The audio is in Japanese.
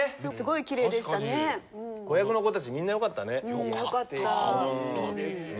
子役の子たちみんな良かったね。